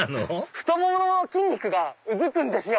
太ももの筋肉がうずくんですよ。